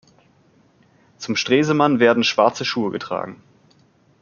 Zum Stresemann werden schwarze Schuhe getragen.